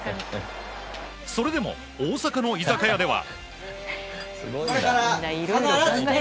それでも大阪の居酒屋では。